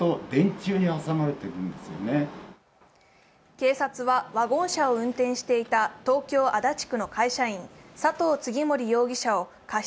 警察は、ワゴン車を運転していた東京・足立区の会社員佐藤次守容疑者を過失